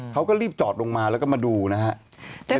เขาก็รีบจอดลงมาแล้วก็มาดูนะครับ